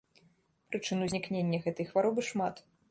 Прычын узнікнення гэтай хваробы шмат.